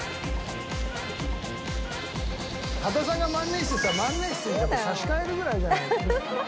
羽田さんが「万年筆」って言ったら万年筆に差し替えるぐらいじゃないと。